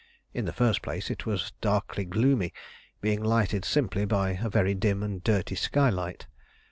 In the first place, it was darkly gloomy, being lighted simply by a very dim and dirty skylight.